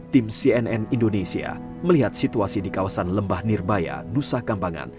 tim cnn indonesia melihat situasi di kawasan lembah nirbaya nusa kambangan